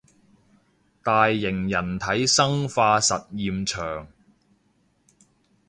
大型人體生化實驗場